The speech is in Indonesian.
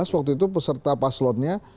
waktu itu peserta paslonnya